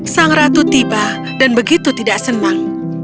sang ratu tiba dan begitu tidak senang